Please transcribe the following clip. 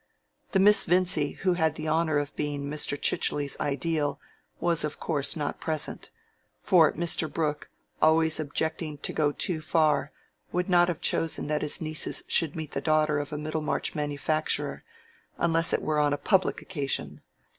The Miss Vincy who had the honor of being Mr. Chichely's ideal was of course not present; for Mr. Brooke, always objecting to go too far, would not have chosen that his nieces should meet the daughter of a Middlemarch manufacturer, unless it were on a public occasion.